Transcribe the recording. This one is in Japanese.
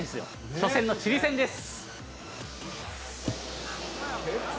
初戦のチリ戦です。